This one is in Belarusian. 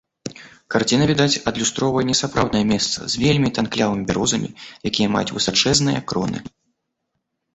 Карціна, відаць, адлюстроўвае не сапраўднае месца з вельмі танклявымі бярозамі, якія маюць высачэзныя кроны.